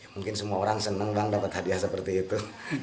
mungkin semua orang senang bang dapat hadiah seperti itu